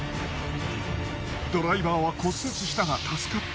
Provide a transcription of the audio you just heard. ドライバーは骨折したが助かった。